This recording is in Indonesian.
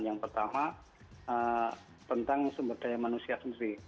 yang pertama tentang sumber daya manusia sendiri